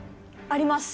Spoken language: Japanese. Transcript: あります！